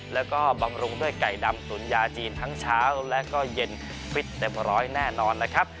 แล้วก็บำรุงด้วยไก่ดำตุ๋นยาจีนทั้งเช้าและก็เย็นฟิตเต็มร้อยแน่นอนนะครับ